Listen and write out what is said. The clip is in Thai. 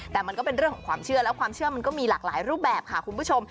แต่มันก็เป็นเรื่องของความเชื่อแล้วความเชื่อมันก็มีหลากหลายรูปแบบค่ะคุณผู้ชม